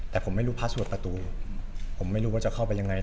แต่ผมไม่รู้พาสวดประตูผมไม่รู้ว่าจะเข้าไปยังไง